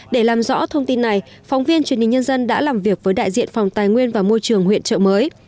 để làm rõ thông tin này phóng viên truyền hình nhân dân đã làm việc với đại diện phòng tài nguyên và môi trường huyện trợ mới